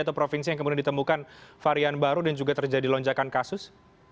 atau provinsi yang kemudian ditemukan varian baru dan juga terjadi lonjakan kasus